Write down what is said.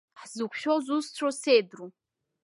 Ҳзықәшәо зусҭцәоу сеидру.